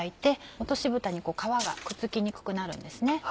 落としぶたに皮がくっつきにくくなるんです。